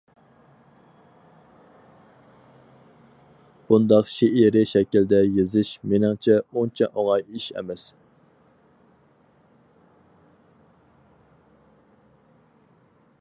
بۇنداق شېئىرىي شەكىلدە يېزىش مېنىڭچە ئۇنچە ئوڭاي ئىش ئەمەس.